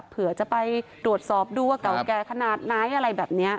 เผื่อจะไปตรวจสอบดูว่าเก่าแก่ขนาดไหนอะไรแบบนี้